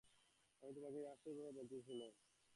আমি তোমাকে একটি আশ্চর্য ব্যাপার বলিতেছি, শুন।